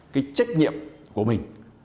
cái trách nhiệm của mình